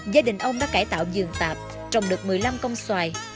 gia đình ông đã cải tạo vườn tạp trồng được một mươi năm con xoài